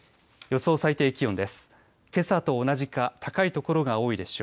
予想最低気温です。